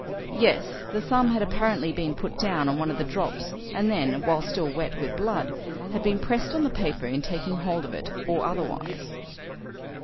"Yes. The thumb had apparently been put down on one of the drops and then, while still wet with blood, had been pressed on the paper in taking hold of it or otherwise."